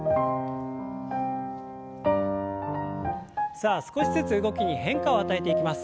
さあ少しずつ動きに変化を与えていきます。